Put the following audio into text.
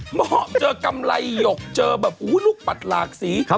หมอเจอกำไรหยกเจอแบบลูกปัดหลากสี